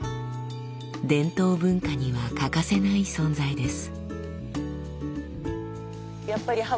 伝統文化には欠かせない存在です。